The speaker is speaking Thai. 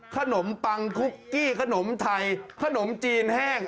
ขนมปังคุกกี้ขนมไทยขนมจีนแห้ง